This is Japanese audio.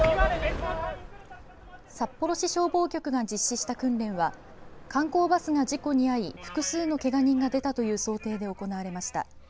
札幌市消防局が実施した訓練は観光バスが事故に遭い複数のけが人が出たという想定で行われました。